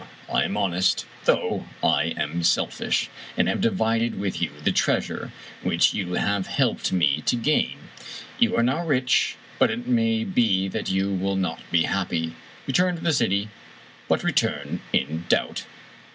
I am honest, though I am selfish, and have divided with you the treasure which you have helped me to gain. You are now rich, but it may be that you will not be happy. Return to the city, but return in doubt.